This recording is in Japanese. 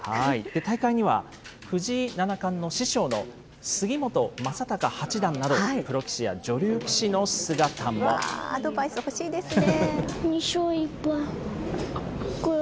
大会には藤井七冠の師匠の杉本昌隆八段など、うわー、アドバイス欲しいですね。